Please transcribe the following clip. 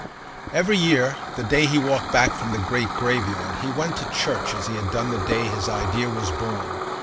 Every year, the day he walked back from the great graveyard, he went to church as he had done the day his idea was born.